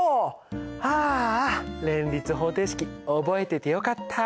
ああ連立方程式覚えててよかった！